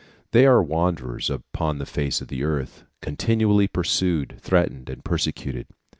They are wanderers upon the face of the earth, continually pursued, threatened, and persecuted.